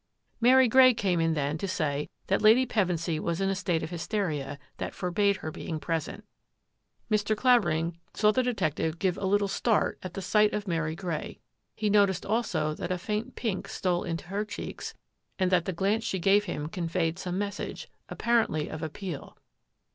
Mary Grey came in then to say that Lady Pevensy was in a state of hysteria that forbade her being present. Mr. Clavering saw the detective SURMISES AND SUSPICIONS 69 give a little start at sight of Mary Grey. He noticed also that a faint pink stole into her cheeks and that the glance she gave him conveyed some message, apparently of appeal.